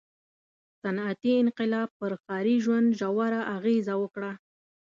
• صنعتي انقلاب پر ښاري ژوند ژوره اغېزه وکړه.